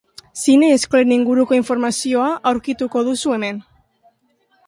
Zine eskolen inguruko informazioa aurkituko duzu hemen.